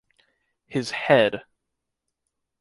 His head.